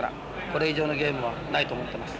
これ以上のゲームはないと思ってます。